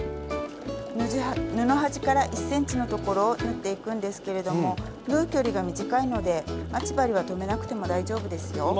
布端から１ｃｍのところを縫っていくんですけれども縫う距離が短いので待ち針は留めなくても大丈夫ですよ。